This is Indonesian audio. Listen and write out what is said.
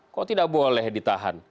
kok tidak boleh ditahan